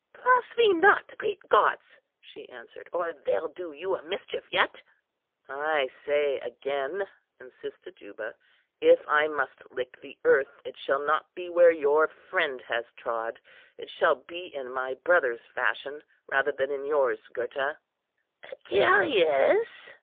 "Blaspheme not the great gods," she answered, "or they'll do you a mischief yet." "I say again," insisted Juba, "if I must lick the earth, it shall not be where your friend has trod. It shall be in my brother's fashion, rather than in yours, Gurta." "Agellius!"